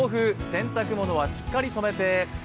洗濯物はしっかりとめて！